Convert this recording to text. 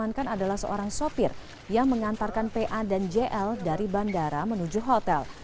diamankan adalah seorang sopir yang mengantarkan pa dan jl dari bandara menuju hotel